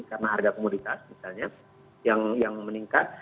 karena harga komoditas misalnya yang meningkat